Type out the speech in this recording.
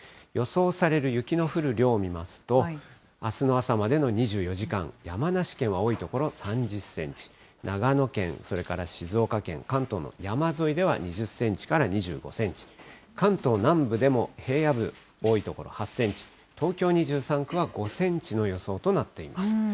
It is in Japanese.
予想される雪の降る量を見ますと、あすの朝までの２４時間、山梨県は多い所３０センチ、長野県、それから静岡県、関東の山沿いでは２０センチから２５センチ、関東南部でも平野部、多い所８センチ、東京２３区は５センチの予想となっています。